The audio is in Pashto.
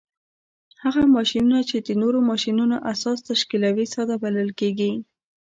هغه ماشینونه چې د نورو ماشینونو اساس تشکیلوي ساده بلل کیږي.